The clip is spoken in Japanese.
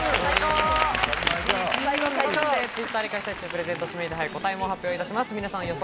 Ｔｗｉｔｔｅｒで開催中、プレゼント指名手配の答えも発表いたします。